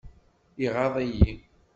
Iɣaḍ-iyi.